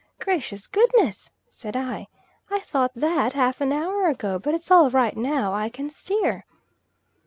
"Gracious goodness!" said I, "I thought that half an hour ago, but it's all right now; I can steer."